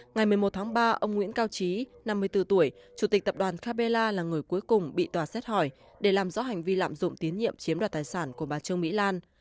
ngày một mươi một tháng ba ông nguyễn cao trí năm mươi bốn tuổi chủ tịch tập đoàn capella là người cuối cùng bị tòa xét hỏi để làm rõ hành vi lạm dụng tín nhiệm chiếm đoạt tài sản của bà trương mỹ lan